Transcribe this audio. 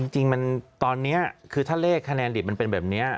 จริงตอนนี้คือถ้าเลขคะแนนดิบมันเป็นแบบนี้